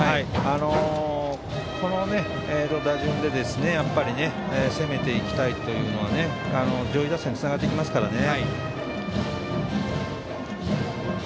この打順で攻めていきたいというのが上位打線につながっていきますからね。